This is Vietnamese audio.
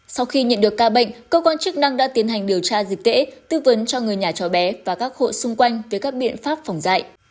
sau khi nhận được ca bệnh cơ quan chức năng đã tiến hành điều tra dịch tễ tư vấn cho người nhà chó bé và các hộ xung quanh với các biện pháp phòng dạy